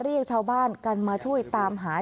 เรียกชาวบ้านกันมาช่วยตามหา